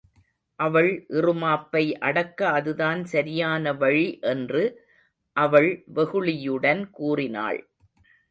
அவள் இறுமாப்பை அடக்க அதுதான் சரியான வழி என்று அவள் வெகுளியுடன் கூறினாள்.